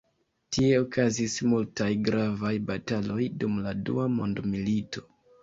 Tie okazis multaj gravaj bataloj dum la Dua Mondmilito.